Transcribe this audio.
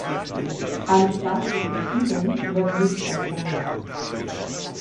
Eine Pflanzung in Kübeln wird nicht empfohlen.